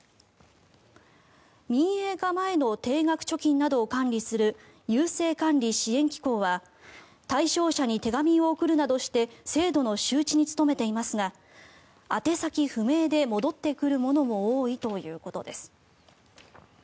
民営化前の定額貯金などを管理する郵政管理・支援機構は対象者に手紙を送るなどして制度の周知に努めていますが宛先不明で戻ってくるものも多いということです。